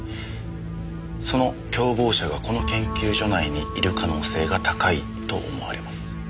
その共謀者がこの研究所内にいる可能性が高いと思われます。